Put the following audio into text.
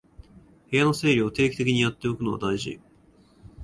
部屋の整理を定期的にやっておくのは大事